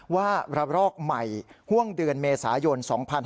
ว่าระลอกใหม่ห่วงเดือนเมษายน๒๕๕๙